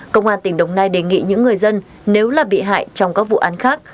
công an tỉnh đồng nai đề nghị những người dân nếu là bị hại trong các vụ án khác